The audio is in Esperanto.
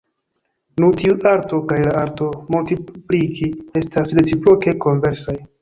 Nu tiu arto kaj la arto multimpliki estas reciproke konversaj.